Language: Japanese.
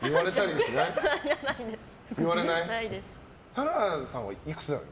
紗来さんはいくつなの？